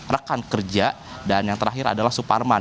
rekan kerja dan yang terakhir adalah suparman